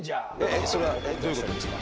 えっそれはどういうことですか？